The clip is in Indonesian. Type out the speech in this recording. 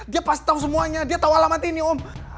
dia pasti tau semuanya dia tau alamat ini om